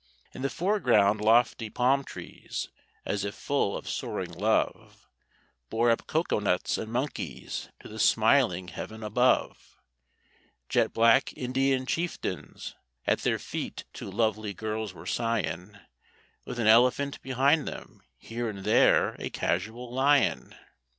In the foreground lofty palm trees, as if full of soaring love, Bore up coco nuts and monkeys to the smiling heaven above; Jet black Indian chieftains, at their feet too lovely girls were sighin, With an elephant beyond them—here and there a casual lion.